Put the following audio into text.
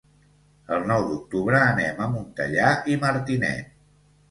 El nou d'octubre anem a Montellà i Martinet.